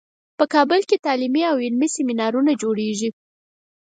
په کابل کې تعلیمي او علمي سیمینارونو جوړیږي